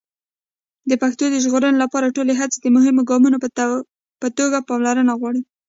د پښتو د ژغورنې لپاره ټولې هڅې د مهمو ګامونو په توګه پاملرنه غواړي.